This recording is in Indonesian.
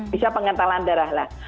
bisa pengentalan darah lah